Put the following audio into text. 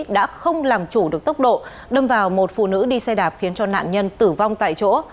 đã không làm chủ được tốc độ đâm vào một phụ nữ đi xe đạp khiến cho nạn nhân tử vong tại chỗ